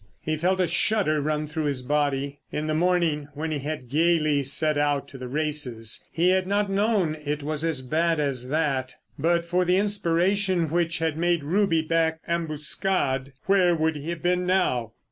He felt a shudder run through his body. In the morning when he had gaily set out to the races he had not known it was as bad as that. But for the inspiration which had made Ruby back Ambuscade where would he have been now?